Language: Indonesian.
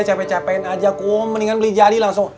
capek capek aja kum mendingan beli jari langsung